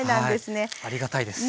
はいありがたいです。